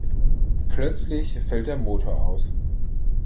Plötzlich fällt der Motor aus.